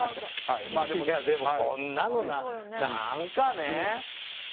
でもこんなのなんかね。